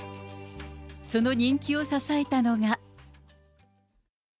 その人気を支えたのが。